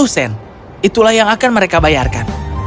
lima puluh sen itulah yang akan mereka bayarkan